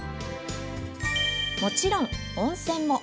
もちろん温泉も。